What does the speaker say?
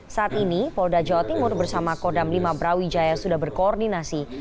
saat ini polda jawa timur bersama kodam lima brawijaya sudah berkoordinasi